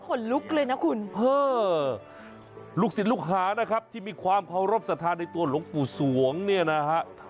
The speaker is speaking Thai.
ขนลุกเลยนะคุณลูกศิษย์ลูกหานะครับที่มีความเคารพสัทธาในตัวหลวงปู่สวงเนี่ยนะฮะ